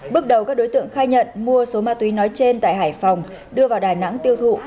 bước đầu các đối tượng khai nhận mua số ma túy nói trên tại hải phòng đưa vào đà nẵng tiêu thụ